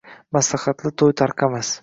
Maslahatli to’y tarqamas.